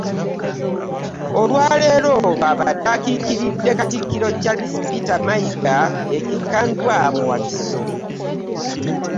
Olwa leero bw'abadde akiikiridde, Katikkiro Charles Peter Mayiga e Kikandwa mu Wakiso.